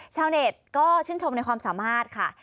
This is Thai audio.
ชาวเน็ตก็ชื่นชมในความสามารถค่ะ